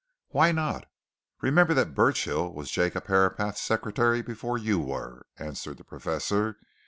"Why not? Remember that Burchill was Jacob Herapath's secretary before you were," answered the Professor.